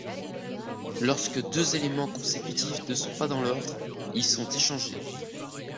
Lorsque deux éléments consécutifs ne sont pas dans l'ordre, ils sont échangés.